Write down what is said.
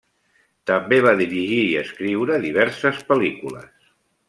També va dirigir i escriure diverses pel·lícules.